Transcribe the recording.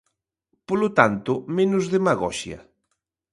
Polo tanto, menos demagoxia.